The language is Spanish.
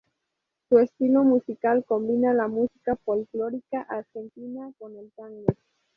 Su estilo musical combina la música folclórica argentina con el tango.